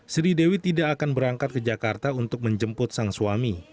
sri dewi tidak akan berangkat ke jakarta untuk menjemput sang suami